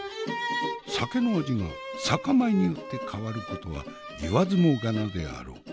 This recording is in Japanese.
酒の味が酒米によって変わることは言わずもがなであろう。